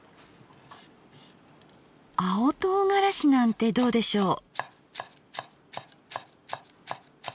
青とうがらしなんてどうでしょう？